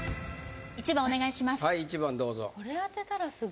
１番お願いします